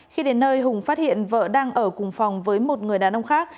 khi đến nơi hùng phát hiện vợ đang ở cùng phòng với một người đàn ông khác